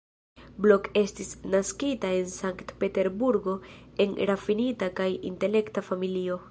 Blok estis naskita en Sankt-Peterburgo en rafinita kaj intelekta familio.